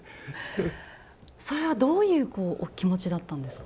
それはどういうこうお気持ちだったんですか？